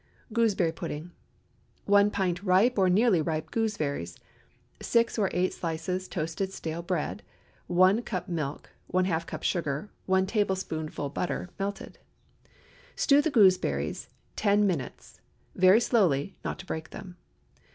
GOOSEBERRY PUDDING. ✠ 1 pint ripe or nearly ripe gooseberries. 6 or 8 slices toasted stale bread. 1 cup milk. ½ cup sugar. 1 tablespoonful butter, melted. Stew the gooseberries ten minutes—very slowly, not to break them.